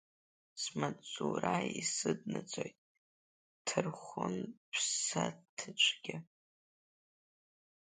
Смаҵзура исыднаҵоит Ҭархәын ԥсаҭацәгьа…